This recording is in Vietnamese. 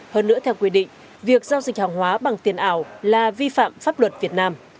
hơn nữa theo quy định việc giao dịch hàng hóa bằng tiền ảo là vi phạm pháp luật việt nam